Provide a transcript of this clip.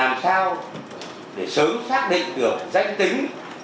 làm sao để sớm xác định được danh tính